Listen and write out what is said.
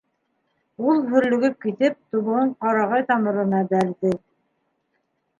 Ул, һөрлөгөп китеп, тубығын ҡарағай тамырына бәрҙе.